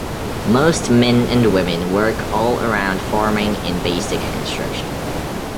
Most men and women work all around farming and basic construction.